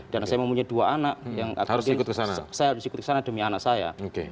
dan saya mempunyai dua anak yang harus ikut ke sana demi anak saya